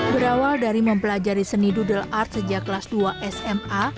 berawal dari mempelajari seni doodle art sejak kelas dua sma